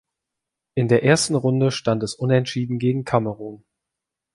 In der ersten Runde stand es unentschieden gegen Kamerun.